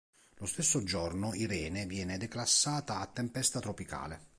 Lo stesso giorno, Irene viene declassata a tempesta tropicale.